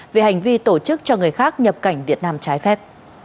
về hành vi tổ chức cho người khác nhập cảnh việt nam trái phép